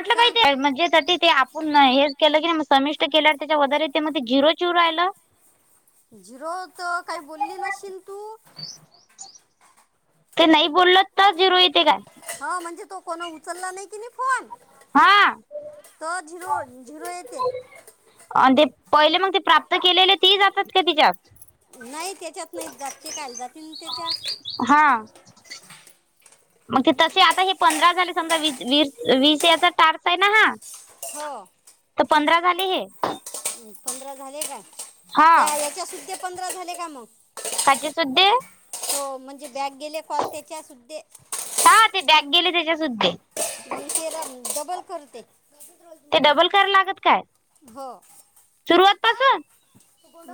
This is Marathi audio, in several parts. म्हटलं सांग पाहिेजे, म्हणजे तटी तेऽ नाही हेच केलं की नाही, मग समिष्ट केल्यावर त्याच्या वदर येते मध्ये झिरो च ईव रायला. झिरो तर काही बोलली नशील तू. ते नाही बोलल तर जिरो येते काय? हो, म्हंणजे तो कोण उचलला नाही की नाही फोन, हा तर झिरो झिरो येते. आणि पहिले मग ते प्राप्त केलेले, ते जातात का त्याच्यात. नाही त्याच्यात नाही जात, ते कायला जातील त्याच्यात. हा. मग ते तसे, आता हे पंधरा झाले समजा, वी वीस याचा टार्स आहे ना हा. हो. तर पंधरा झाले हे. पंधरा झाले काय, हा त्या याच्या सुद्ध्या पंधरा झाले का मग? काचे सुद्धे हो म्हणजे बॅग गेले कॉल त्याच्या सुद्धे. हा ते बॅग गेले त्याच्यासुद्धे. मग ते र डबल करते. ते डबल करा लागत काय? हो सुरवात पासून.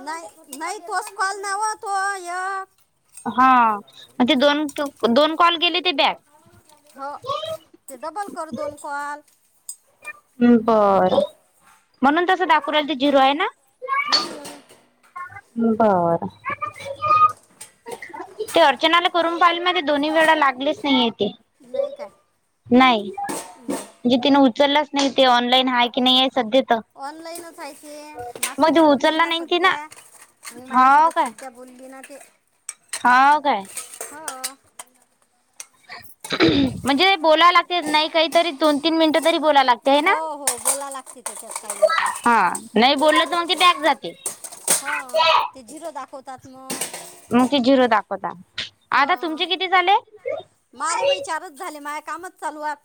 नाही नाही तोच कॉल नावा तो यक. हा मग ते दोन दोन कॉल गेले ते बॅग. हो, ते डबल करर् दोन कॉल. बर, म्हणून ते तसं दाखवून रायल ते जिरो आहे ना? बर. ते अर्चनाला करून पाहिले म्या दोन्ही वेळा लागलेच नाही ते. नाही काय? नाही, म्हणजे तिने उचललाच नाही ते ऑनलाईन हाये की नाही आहे सध्या तर. ऑनलाइनच आहे ते, मग ते माझ्यासोबत बोलली उचलला ना नाही ती सध्या मालल्या हो सोबत सध्या बोलली ना ते. हाओ काय? हाव. म्हणजे बोला लागते, नाही काहीतरी दोन तीन मिनिटं तरी बोलालागते. हाय ना हो हो बोला लागते त्याच्यात काही ना काही हा नाही बोलल तर मग ते बॅग जाते. हाव ते झिरो दाखवतात मग. मग ते झिरो दाखवता, हो आता तुमचे किती झाले? न च झाले माझ कामच चालू आहेत.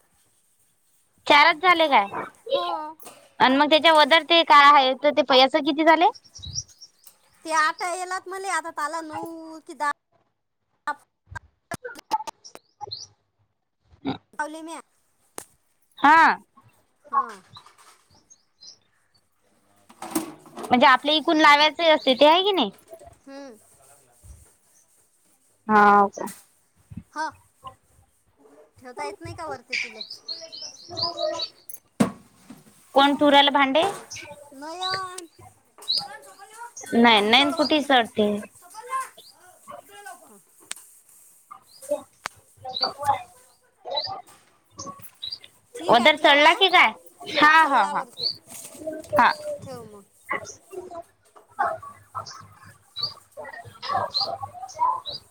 चारच झाले काय? हो आणि मग त्याच्या वदर ते काय आहे तर ते पैं किती झाले. ते आटा येलात मले आता तला नऊ कि द [unintelligible] हम्म आयली माय [unintelligible] हा हा म्हणजे आपल्या इकून लावायचें असते ते आहे की नाही. हम्म अगग हा का ह ठेवता येत नाही का वरती तुले कोण तुराला भांडे? नाही नाही तू नैन चड कुठे वरती चढते. [unintelligible] सप इकडे लवकर [unintelligible] य [inaudible] ठीक आहे वरती ठेव चढला हा की काय हा हा चढला हा वरती हा अहं ठेव मग अहं